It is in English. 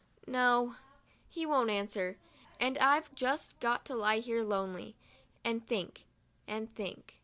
No, he won't answer — and I've just got to lie here lonely, and think, and think.